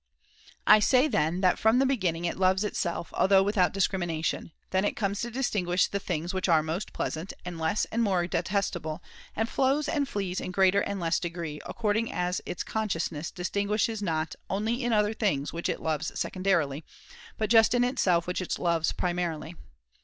I say, then, that from the beginning it loves itself, although without discrimination. Then it comes to distinguish the things which are most pleasant, and less and more detestable, and follows and flees in greater and less degree according as its consciousness distinguishes not 1370]] only in other things which it loves second arily, but just in itself which it loves primarily.